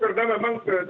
menurut anda bang adrianus